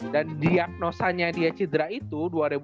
dan diagnosanya dia cedera itu dua ribu delapan belas